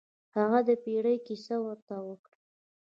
هغه د پیري کیسه ورته وکړه.